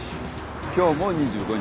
今日も２５日。